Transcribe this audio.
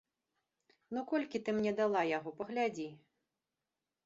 Ну, колькі ты мне дала яго, паглядзі.